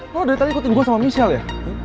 lu udah ikutin gue sama michelle ya